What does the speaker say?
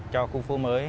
cho khu phố mới